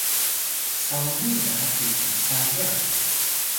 sawni ga te pisa ryax?